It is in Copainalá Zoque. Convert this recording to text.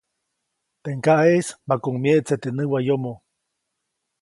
Teʼ ŋgaʼeʼis makuʼuŋ myeʼtse teʼ näwayomo.